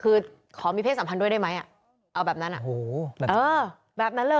คือขอมีเพศสัมพันธ์ด้วยได้ไหมอ่ะเอาแบบนั้นอ่ะโอ้โหแบบเออแบบนั้นเลย